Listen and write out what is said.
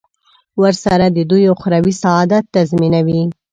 ورسره د دوی اخروي سعادت تضمینوي.